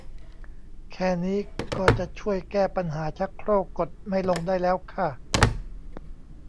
แค่นี้ก็จะช่วยแก้ปัญหาชักโครกกดไม่ลงได้แล้วค่ะ